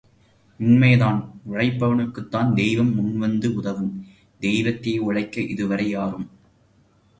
உண்மைதான் உழைப்பவனுக்குத்தான் தெய்வம் முன் வந்து உதவும், தெய்வத்தையே உழைக்க இதுவரை யாரும் சொன்னதில்லை என்றான்.